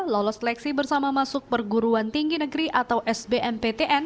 lolos seleksi bersama masuk perguruan tinggi negeri atau sbmptn